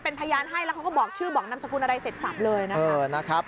แล้วเขาก็บอกชื่อบอกนามสกุลอะไรเสร็จสับเลยนะ